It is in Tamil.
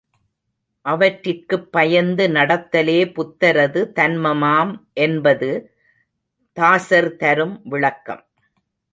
அவற்றிற்குப் பயந்து நடத்தலே புத்தரது தன்மமாம் என்பது தாசர்தரும் விளக்கம்.